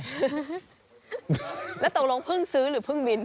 แล้วตกลงเพิ่งซื้อหรือเพิ่งบิน